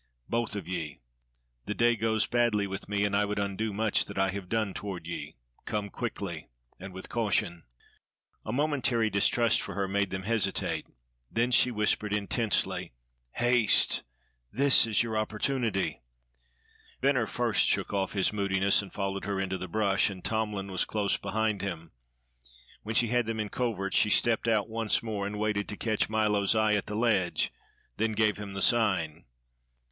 Both of ye. The day goes badly with me, and I would undo much that I have done toward ye. Come quickly, and with caution." A momentary distrust for her made them hesitate; then she whispered intensely: "Haste. This is your opportunity." Venner first shook off his moodiness and followed her into the brush; and Tomlin was close behind him. When she had them in covert, she stepped out once more, waited to catch Milo's eye at the ledge, then gave him the sign.